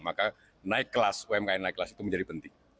maka naik kelas umkm naik kelas itu menjadi penting